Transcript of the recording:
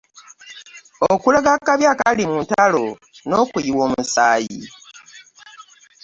Okulaga akabi akali mu ntalo n’okuyiwa omusaayi.